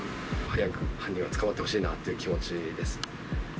早く犯人が捕まってほしいなという気持ちです。